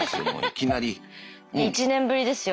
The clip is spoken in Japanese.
１年ぶりですよ。